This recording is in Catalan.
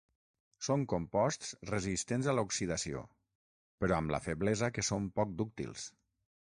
Són composts resistents a l'oxidació, però amb la feblesa que són poc dúctils.